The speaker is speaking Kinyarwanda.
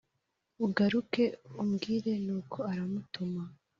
ugaruke umbwire Nuko aramutuma